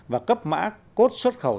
và cấp mã cốt xuất khẩu